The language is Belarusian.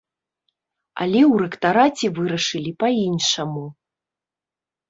Але ў рэктараце вырашылі па-іншаму.